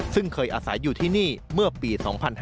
ซึ่งเคยอาศัยอยู่ที่นี่เมื่อปี๒๕๕๙